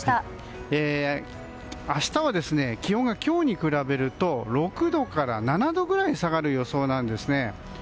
明日は気温が今日に比べると６度から７度くらい下がる予想なんです。